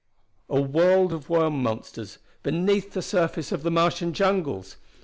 A world of worm monsters, beneath the surface of the Martian jungles!